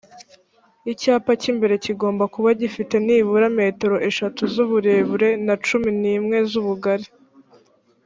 icyapa cy imbere kigomba kuba gifite nibura metero eshatu zuburebure na cumi nimwe z ubugari